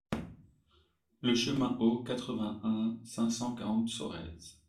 Le Chemin Haut, quatre-vingt-un, cinq cent quarante Sorèze